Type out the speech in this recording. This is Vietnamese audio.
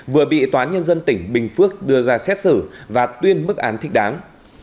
vừa bị tòa nhân dân tỉnh bình phước đưa ra xét xử và tuyên mức án thích đáng